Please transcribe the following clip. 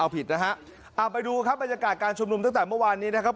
ไปดูบรรยากาศการชมนุมตั้งแต่เมื่อวานนี้นะครับ